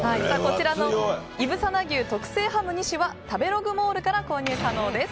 いぶさな牛特製ハム２種は食べログモールから購入可能です。